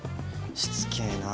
しつけえな。